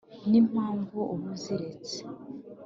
n’impamvu ube uziretse